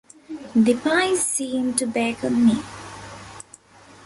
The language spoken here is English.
The pie seemed to beckon me.